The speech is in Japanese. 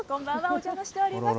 お邪魔しております。